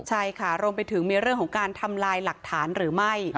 ใช่ค่ะรวมไปถึงมีเรื่องของการทำลายหลักฐานหรือไม่